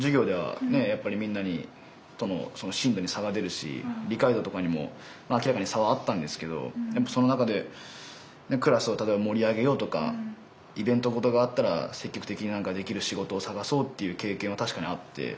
やっぱりみんなに進路に差が出るし理解度とかにも明らかに差はあったんですけどその中でクラスを例えば盛り上げようとかイベント事があったら積極的に何かできる仕事を探そうっていう経験は確かにあって。